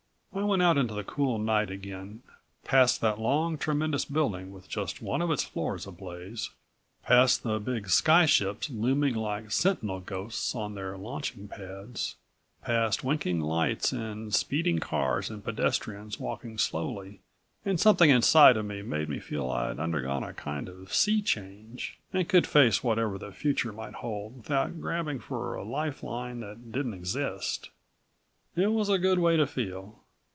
I went out into the cool night again, past that long tremendous building with just one of its floors ablaze, past the big sky ships looming like sentinel ghosts on their launching pads, past winking lights and speeding cars and pedestrians walking slowly and something inside of me made me feel I'd undergone a kind of sea change, and could face whatever the future might hold without grabbing for a life line that didn't exist. It was a good way to feel.